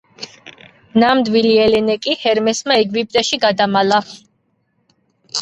ნამდვილი ელენე კი ჰერმესმა ეგვიპტეში გადამალა.